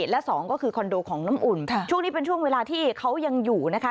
และสองก็คือคอนโดของน้ำอุ่นช่วงนี้เป็นช่วงเวลาที่เขายังอยู่นะคะ